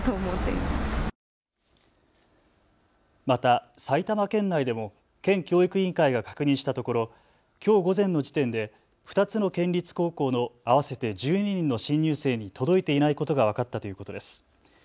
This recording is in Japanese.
また埼玉県内でも県教育委員会が確認したところきょう午前の時点で２つの県立高校の合わせて１２人の新入生に届いていないことが分かったということです。